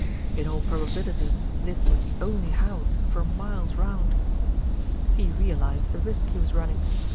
In all probability this was the only house for miles round. He realised the risk he was running.